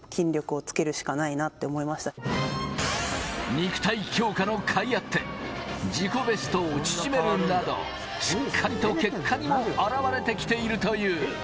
肉体強化の甲斐あって、自己ベストを縮めるなど、しっかりと結果にも表れてきているという。